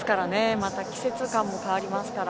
また季節感も変わりますから。